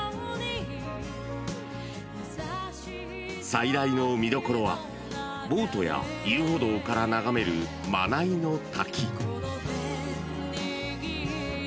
［最大の見どころはボートや遊歩道から眺める真名井の滝］